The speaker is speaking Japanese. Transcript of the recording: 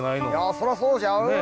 そりゃそうちゃう？